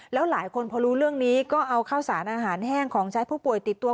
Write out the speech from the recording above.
แล้วหลายคนพอรู้เรื่องนี้ก็เอาข้าวสารอาหารแห้งของใช้ผู้ป่วยติดตัว